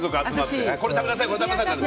これ食べなさいって。